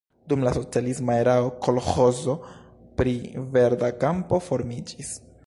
Dum la socialisma erao kolĥozo pri Verda Kampo formiĝis.